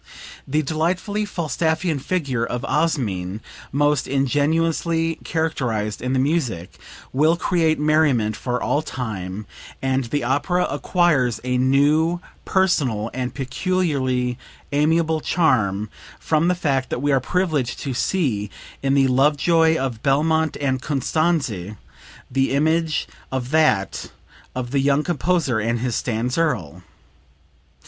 The delightfully Falstaffian figure of Osmin, most ingeniously characterized in the music, will create merriment for all time, and the opera acquires a new, personal and peculiarly amiable charm from the fact that we are privileged to see in the love joy of "Belmont" and "Constanze" an image of that of the young composer and his "Stanzerl."